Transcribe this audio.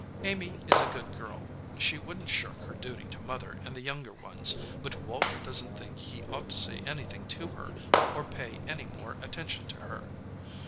Amy is a good girl. She wouldn t shirk her duty to Mother and the younger ones, but Walter doesn t think he ought to say anything to her or pay any more atten tion to her.